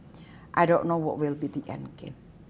saya tidak tahu apa yang akan menjadi endgame